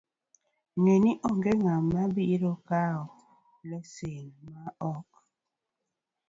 Ginee ni onge ng'ama biro kawo lesen ma ok